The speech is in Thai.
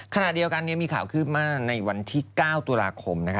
ขณะเดียวกันมีข่าวคืบหน้าในวันที่๙ตุลาคมนะคะ